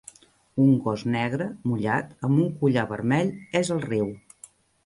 un gos negre mullat amb un collar vermell és al riu